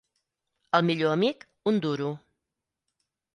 El millor amic, un duro.